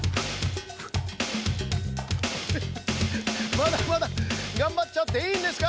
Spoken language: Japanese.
まだまだがんばっちゃっていいんですか？